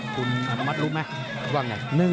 คุณอนุมัติรู้ไหมว่าไง